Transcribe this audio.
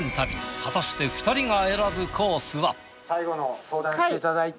果たして２人が選ぶコースは。